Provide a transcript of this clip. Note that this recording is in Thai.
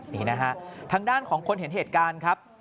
นี่นะฮะทางด้านของคนเห็นเหตุการณ์ครับ